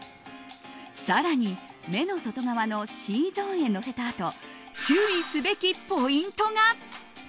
更に、目の外側のＣゾーンへのせたあと注意すべきポイントが。